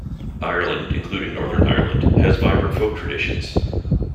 Ireland, including Northern Ireland, has vibrant folk traditions.